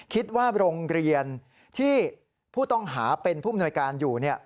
คิดว่าโรงเรียนที่ผู้ต้องหาเป็นผู้มนวยการอยู่